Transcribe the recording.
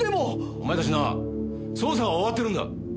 お前たちな捜査は終わってるんだ！